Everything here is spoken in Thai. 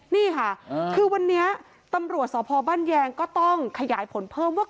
นี่ค่ะคือวันนี้ตำรวจสพบ้านแยงก็ต้องขยายผลเพิ่มว่า